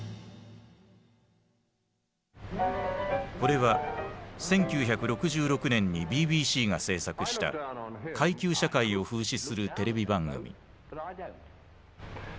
これは１９６６年にＢＢＣが制作した階級社会を風刺するテレビ番組。